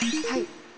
はい。